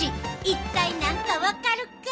一体何か分かるか？